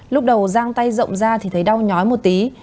lúc đầu giang tay rộng ra thì thấy đau nhói một tí